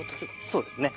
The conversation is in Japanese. そうですね。